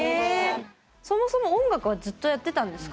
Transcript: そもそも音楽はずっとやってたんですか？